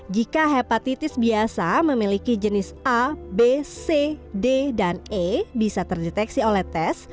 jika hepatitis biasa memiliki jenis a b c d dan e bisa terdeteksi oleh tes